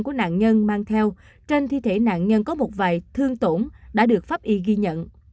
các vụ việc của nạn nhân mang theo trên thi thể nạn nhân có một vài thương tổn đã được pháp y ghi nhận